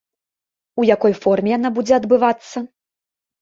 У якой форме яна будзе адбывацца?